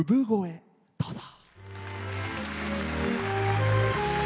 どうぞ。